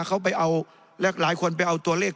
เขาไปเอาหลายคนไปเอาตัวเลข